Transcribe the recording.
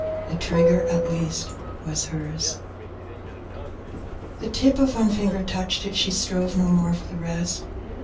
The trigger at least was hers! V The tip of one finger touched it; she strove no more for the rest!